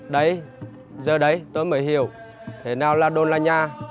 đấy giờ đấy tôi mới hiểu thế nào là đồn là nhà